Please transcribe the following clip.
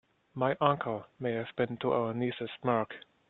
My uncle may have been to your niece's market.